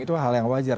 itu hal yang wajar